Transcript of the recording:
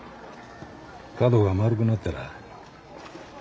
角が丸くなってら。